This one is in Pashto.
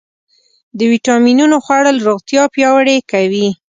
د ویټامینونو خوړل روغتیا پیاوړې کوي.